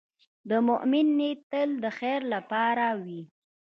د مؤمن نیت تل د خیر لپاره وي.